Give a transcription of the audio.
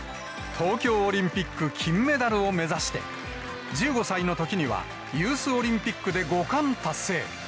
東京オリンピック金メダルを目指して、１５歳のときには、ユースオリンピックで５冠達成。